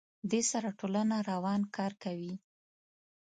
دې سره ټولنه روان کار کوي.